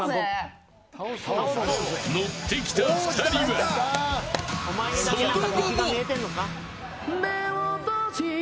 乗ってきた２人はその後も。